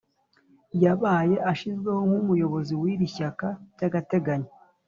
Yabaye ashizweho nkumuyobozi wiri shaka byagateganyo